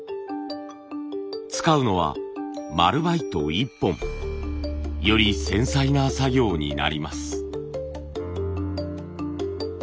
使うのは丸バイト一本。より繊細な作業になります。